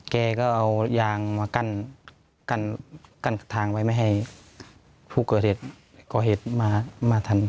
แกก็เอายางมากั้นทางไว้ไม่ให้ผู้ก่อเหตุก่อเหตุมาทัน